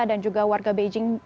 dan juga warga beijing